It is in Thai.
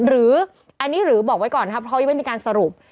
หรืออันนี้หรือบอกไว้ก่อนนะครับเพราะยังไม่มีการสรุป